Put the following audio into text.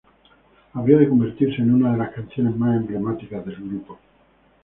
Habría de convertirse en una de las canciones más emblemáticas del grupo.